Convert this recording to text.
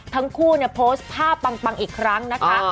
ทั้งคู่เนี่ยโพสต์ภาพปังอีกครั้งนะคะ